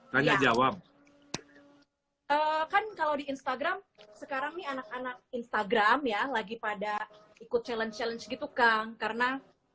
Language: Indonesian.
tanya jawab instagram sekarang instagram ya lagi pada ikut challenge challenge gitu kang karena